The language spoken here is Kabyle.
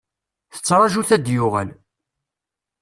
Tettraju-t ad d-yuɣal.